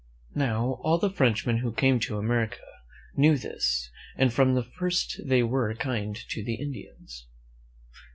Now, all the Frenchmen who came to America knew this, and from the first they were kind to the Indians.